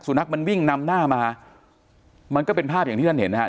นักมันวิ่งนำหน้ามามันก็เป็นภาพอย่างที่ท่านเห็นนะฮะ